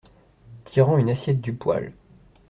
Tirant une assiette du poêle.